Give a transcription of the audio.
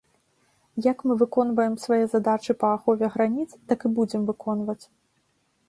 Як мы выконваем свае задачы па ахове граніц, так і будзем выконваць.